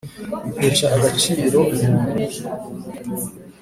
bitesha agaciro umuntu